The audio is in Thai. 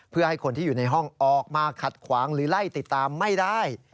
เพื่อให้คนที่อยู่ในห้องออกมาขัดขวางหรือไล่ติดตามไม่ได้